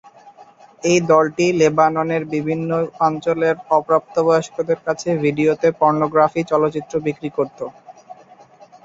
এই দলটি লেবাননের বিভিন্ন অঞ্চলের অপ্রাপ্তবয়স্কদের কাছে ডিভিডিতে পর্নোগ্রাফিক চলচ্চিত্র বিক্রি করতো।